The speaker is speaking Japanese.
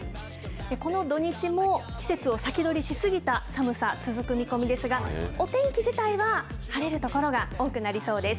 この土日も、季節を先取りし過ぎた寒さ、続く見込みですが、お天気自体は晴れる所が多くなりそうです。